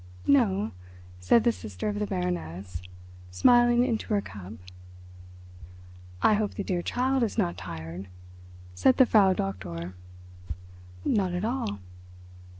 "No," said the sister of the Baroness, smiling into her cup. "I hope the dear child is not tired," said the Frau Doktor. "Not at all."